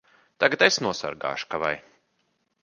Tagad es nosargāšu ka vai!